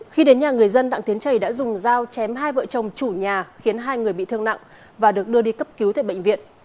khi đến nhà người dân đặng tiến trầy đã dùng dao chém hai vợ chồng chủ nhà khiến hai người bị thương nặng và được đưa đi cấp cứu tại bệnh viện